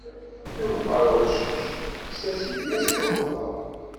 Mi meqqeṛ uqcic, tekkes-as yemma-s tuṭṭḍa.